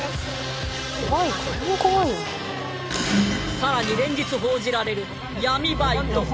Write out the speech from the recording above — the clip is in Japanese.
さらに連日報じられる「闇バイト」